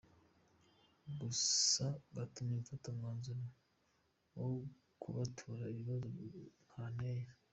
Gusa, gatumye mfata umwanya wo kubatura ibibazo kanteye.